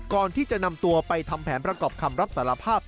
ก่อนที่จะนำตัวไปทำแผนประกอบคำรับสารภาพ